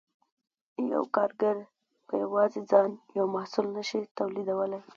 یو کارګر په یوازې ځان یو محصول نشي تولیدولی